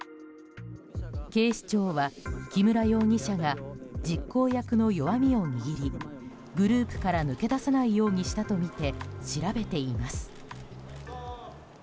警視庁は、木村容疑者が実行役の弱みを握りグループから抜け出さないようにしたとみて調べています。